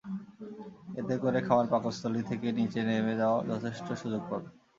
এতে করে খাবার পাকস্থলী থেকে নিচে নেমে যাওয়ার যথেষ্ট সুযোগ পাবে।